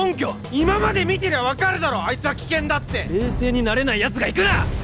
今まで見てりゃ分かるだろあいつは危険だって冷静になれないやつが行くな！